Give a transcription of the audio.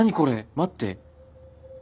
待って。